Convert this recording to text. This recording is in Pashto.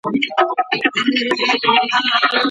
تلویزیونونه کوم روغتیایي اعلانونه خپروي؟